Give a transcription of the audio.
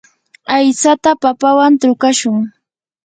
aytsata papawan trukashun.